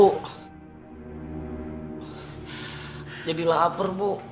tadi jadi lapar bu